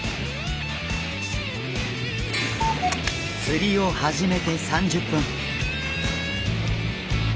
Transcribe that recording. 釣りを始めて３０分。